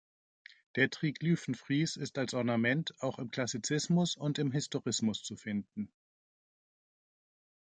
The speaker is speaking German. Der Triglyphenfries ist als Ornament auch im Klassizismus und im Historismus zu finden.